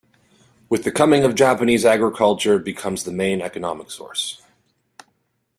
With the coming of Japanese agriculture becomes the main economic source.